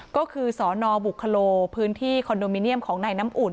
ก็คือสนบุคโลพื้นที่คอนโดมิเนียมของนายน้ำอุ่น